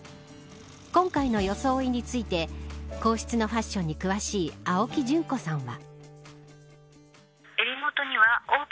今回の装いについて皇室のファションに詳しい青木淳子さんは。